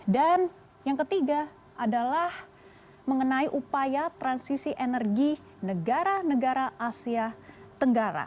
dan yang ketiga adalah mengenai upaya transisi energi negara negara asean